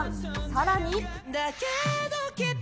さらに。